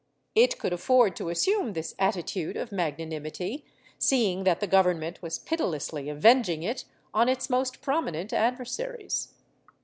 ^ It could afford to assume this attitude of magnanimity, seeing that the Government was pitilessly avenging it on its most promi nent adversaries.